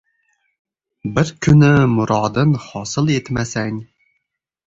Bir kuni murodin hosil etmasang